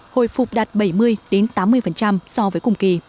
hồi phục đạt bảy mươi tám mươi so với cùng kỳ